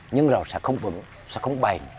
nhưng rồi sẽ không vững sẽ không bày